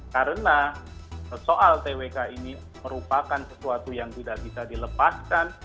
karena soal twk ini merupakan sesuatu yang tidak bisa dilepaskan